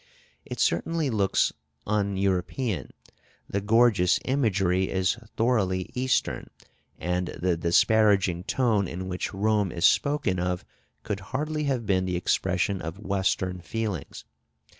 It certainly looks un European; the gorgeous imagery is thoroughly Eastern, and the disparaging tone in which Rome is spoken of could hardly have been the expression of Western feelings.